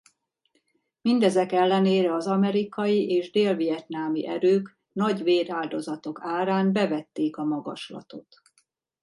Mindezek ellenére az amerikai és dél-vietnámi erők nagy véráldozatok árán bevették a magaslatot.